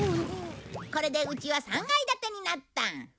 これでうちは３階建てになった。